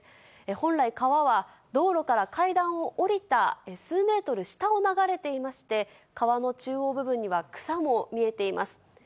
本来、川は道路から階段を下りた数メートル下を流れていまして、川の中央部分には草も見えています。